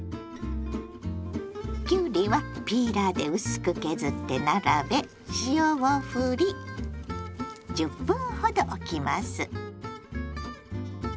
きゅうりはピーラーで薄く削って並べ塩をふり１０分ほどおきます。